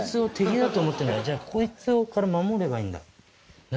じゃあこいつから守ればいいんだ。